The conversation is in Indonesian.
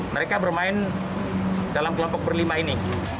mereka bermain dalam kelompok berlima ini